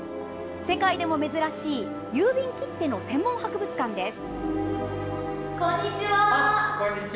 世界でも珍しい郵便切手の専門博物館です。